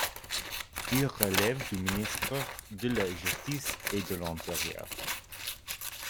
Il relève du ministère de la Justice et de l'Intérieur.